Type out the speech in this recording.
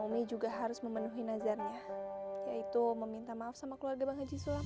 omni juga harus memenuhi nazarnya yaitu meminta maaf sama keluarga bang haji sulam